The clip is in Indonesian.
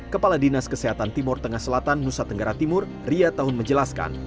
kepala dinas kesehatan timur tengah selatan nusa tenggara timur ria tahun menjelaskan